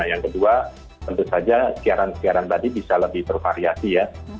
yang kedua tentu saja siaran siaran tadi bisa lebih bervariasi ya